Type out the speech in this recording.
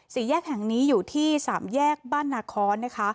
สีแยกแห่งนี้อยู่ที่๓แยกบ้านนาค้อน